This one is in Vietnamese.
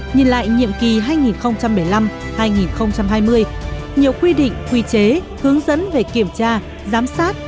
nhìn lại nhiệm kỳ hai nghìn một mươi năm hai nghìn hai mươi nhiều quy định quy chế hướng dẫn về kiểm tra giám sát